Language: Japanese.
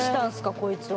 こいつは。